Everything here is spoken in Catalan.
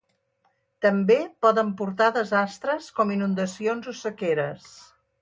També poden portar desastres com inundacions o sequeres.